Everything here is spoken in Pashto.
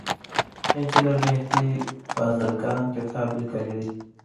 انجینیر مهدي بازرګان کتاب لیکلی دی.